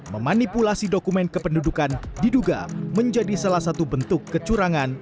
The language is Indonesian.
memanipulasi dokumen kependudukan diduga menjadi salah satu bentuk kecurangan